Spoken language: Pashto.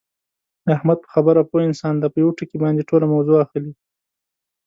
احمد په خبره پوه انسان دی، په یوه ټکي باندې ټوله موضع اخلي.